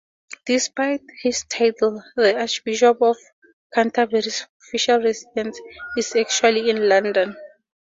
Despite his title, the Archbishop of Canterbury's official residence is actually in London.